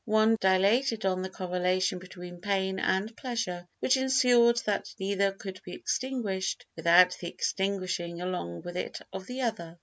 One dilated on the correlation between pain and pleasure which ensured that neither could be extinguished without the extinguishing along with it of the other.